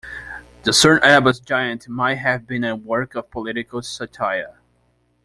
The Cerne Abbas Giant might have been a work of political satire.